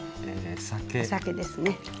お酒ですね。